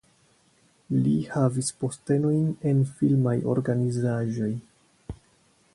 Li havis postenojn en filmaj organizaĵoj.